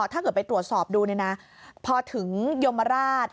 ถ้าเกิดไปตรวจสอบดูเนี่ยนะพอถึงยมราช